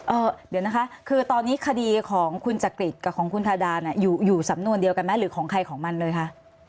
เออเดี๋ยวนะคะคือตอนนี้คดีของคุณจักริตกับของคุณทาดาเนี่ยอยู่อยู่สำนวนเดียวกันไหมหรือของใครของมันเลยคะ